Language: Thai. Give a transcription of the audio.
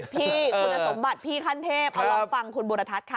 พี่คุณสมบัติพี่ขั้นเทพเอาลองฟังคุณบุรทัศน์ค่ะ